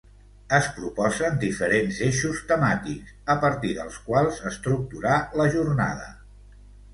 Es proposen diferents eixos temàtics, a partir dels quals estructurar la jornada.